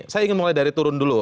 saya ingin mulai dari turun dulu